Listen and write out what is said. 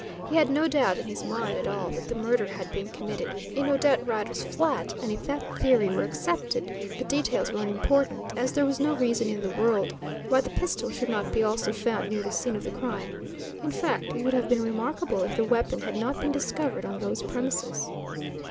He had no doubt in his mind at all that the murder had been committed in Odette Rider's flat, and, if that theory were accepted, the details were unimportant, as there was no reason in the world why the pistol should not be also found near the scene of the crime. In fact, it would have been remarkable if the weapon had not been discovered on those premises.